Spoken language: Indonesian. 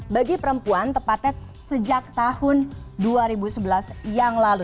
bagi perempuan tepatnya sejak tahun dua ribu sebelas yang lalu